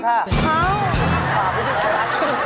ขาว